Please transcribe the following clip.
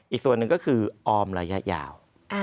อีกส่วนหนึ่งก็คือออมระยะยาว